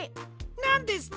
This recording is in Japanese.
なんですと！